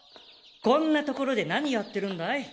こんな所で何やってるんだい？